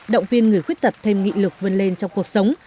động viên người khuyết tật thêm nghị lực vươn lên trong cuộc sống